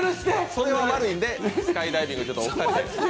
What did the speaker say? それは悪いんでスカイダイビングお二人で。